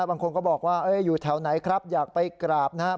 บางคนก็บอกว่าอยู่แถวไหนครับอยากไปกราบนะครับ